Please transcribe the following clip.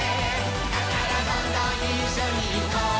「だからどんどんいっしょにいこう」